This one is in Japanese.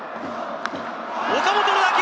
岡本打球